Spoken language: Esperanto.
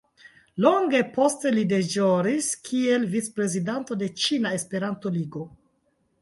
Longe poste li deĵoris kiel vicprezidanto de Ĉina Esperanto-Ligo.